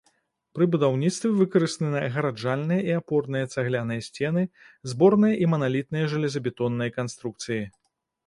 Пры будаўніцтве выкарыстаны агараджальныя і апорныя цагляныя сцены, зборныя і маналітныя жалезабетонныя канструкцыі.